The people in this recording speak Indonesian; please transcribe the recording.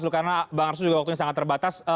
karena bang arsul juga waktunya sangat terbatas